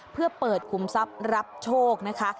เพื่อเปิดคุมทรัพย์รับโชคนะคะ